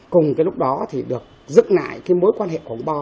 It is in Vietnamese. cùng cái lúc đó thì được giữ lại cái mối quan hệ của ông bò